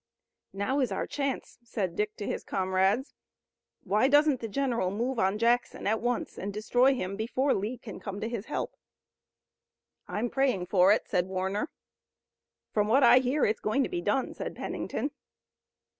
"Now is our chance," said Dick to his comrades, "why doesn't the general move on Jackson at once, and destroy him before Lee can come to his help?" "I'm praying for it," said Warner. "From what I hear it's going to be done," said Pennington.